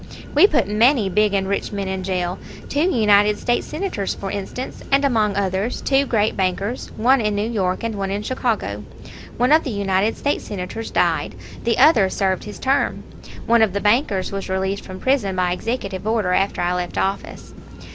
We put many big and rich men in jail; two United States Senators, for instance, and among others two great bankers, one in New York and one in Chicago. One of the United States Senators died, the other served his term. (One of the bankers was released from prison by executive order after I left office.)